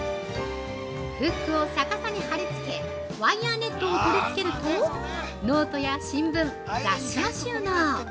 ◆フックを逆さに貼り付けワイヤーネットを取り付けるとノートや新聞、雑誌を収納！